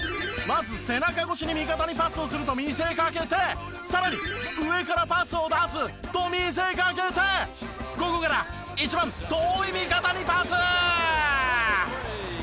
まず背中越しに味方にパスをすると見せかけてさらに上からパスを出すと見せかけてここから一番遠い味方にパス！